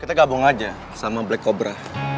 kita gabung aja sama black cobra